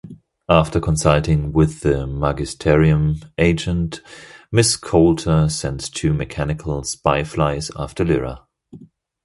After consulting with the Magisterium agent, Mrs. Coulter sends two mechanical spy-flies after Lyra.